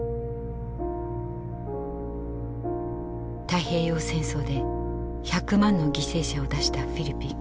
太平洋戦争で１００万の犠牲者を出したフィリピン。